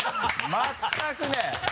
全くね。